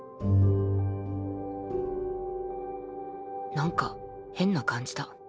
なんか変な感じだ。